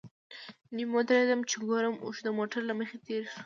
نیم ودرېدم چې ګورم اوښ د موټر له مخې تېر شو.